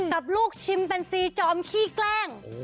กับลูกชิมเป็นซีจอมขี้แกล้ง